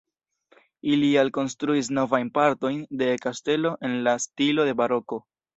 Ili alkonstruis novajn partojn de kastelo en la stilo de baroko.